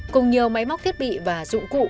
cùng nhiều máy móc thiết bị và dụng cụ